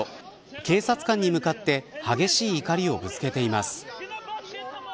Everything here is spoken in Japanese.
警察官に向かって激しい怒りをぶつけています。